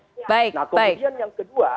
nah kemudian yang kedua